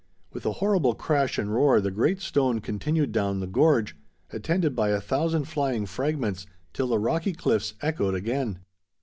With a horrible crash and roar the great stone continued down the gorge, attended by a thousand flying fragments till the rocky cliffs echoed again.